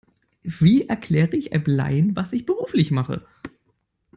Wie erkläre ich einem Laien, was ich beruflich mache?